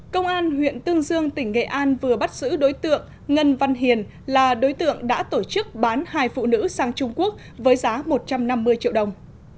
công an huyện tương dương tỉnh nghệ an vừa bắt giữ đối tượng ngân văn hiền là đối tượng đã tổ chức bán hai phụ nữ sang trung quốc với giá một trăm năm mươi triệu đồng